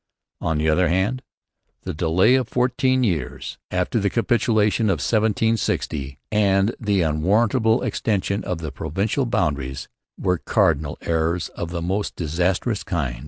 On the other hand, the delay of fourteen years after the Capitulation of 1760 and the unwarrantable extension of the provincial boundaries were cardinal errors of the most disastrous kind.